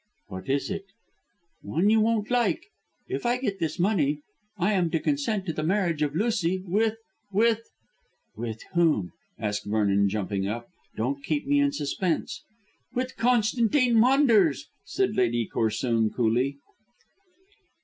"What is it?" "One you won't like. If I get this money I am to consent to the marriage of Lucy with with " "With whom?" asked Vernon jumping up. "Don't keep me in suspense." "With Constantine Maunders," said Lady Corsoon coolly.